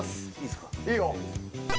いいよ。